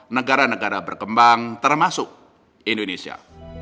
negara negara berkembang termasuk indonesia